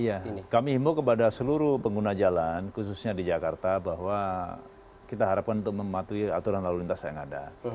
iya kami himbau kepada seluruh pengguna jalan khususnya di jakarta bahwa kita harapkan untuk mematuhi aturan lalu lintas yang ada